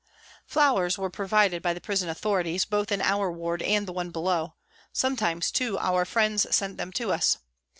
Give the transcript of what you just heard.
Flowers were provided by the prison authorities, both in our ward and the one below ; sometimes, too, our friends sent them to us.